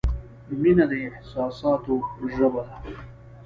• مینه د احساساتو ژبه ده.